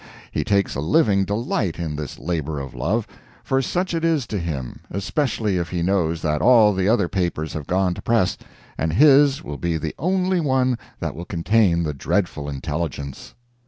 He takes a living delight in this labor of love for such it is to him, especially if he knows that all the other papers have gone to press, and his will be the only one that will contain the dreadful intelligence.